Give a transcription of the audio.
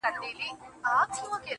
o د پریان لوري، د هرات او ګندارا لوري.